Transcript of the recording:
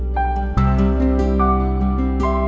kalau gitu ikut saya